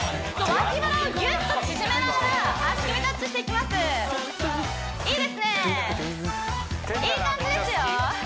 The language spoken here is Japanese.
脇腹をぎゅっと縮めながら足首タッチしていきますいいですねいい感じですよ